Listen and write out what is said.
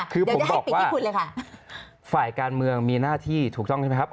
คือผมบอกว่าฝ่ายการเมืองมีหน้าที่ถูกต้องใช่ไหมครับ